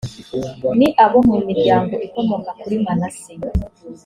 ni abo mu miryango ikomoka kuri manase